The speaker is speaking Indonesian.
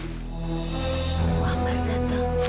ibu ambar datang